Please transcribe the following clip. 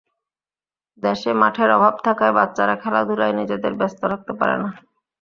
দেশে মাঠের অভাব থাকায় বাচ্চারা খেলাধুলায় নিজেদের ব্যস্ত রাখতে পারে না।